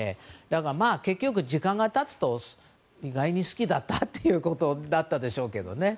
だから結局、時間が経つと意外に好きだったということなんでしょうけどね。